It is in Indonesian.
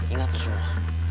ingat itu semua